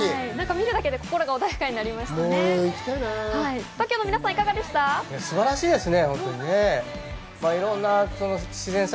見るだけで心が穏やかになりましたね。